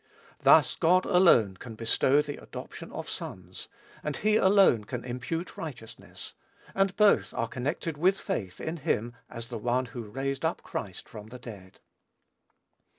Thus, God alone can bestow the adoption of sons, and he alone can impute righteousness, and both are connected with faith in him as the One who raised up Christ from the dead.